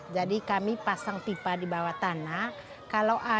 jadi kami pasang pipa di bawah tanah